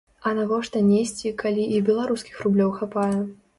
А навошта несці, калі і беларускіх рублёў хапае?